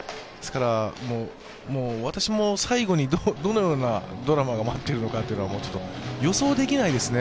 もう私も最後にどのようなドラマが待っているのか予想できないですね。